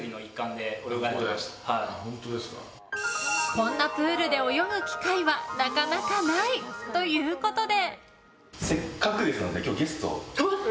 こんなプールで泳ぐ機会はなかなかないということで。